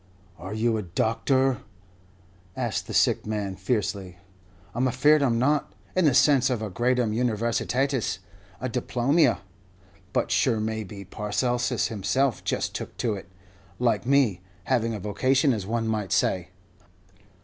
"Are you a doctor?" asked the sick man, fiercely. "I'm afear'd I'm not, in the sense of a gradum Universitatis, a diplomia; but sure maybe Paracelsus himself just took to it, like me, having a vocation, as one might say."